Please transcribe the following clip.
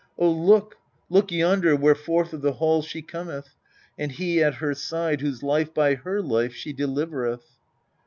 O look ! look yonder, where forth of the hall She cometh, and he at her side whose life by her life she delivereth.